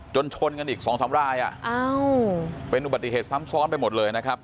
ชนกันอีกสองสามรายเป็นอุบัติเหตุซ้ำซ้อนไปหมดเลยนะครับ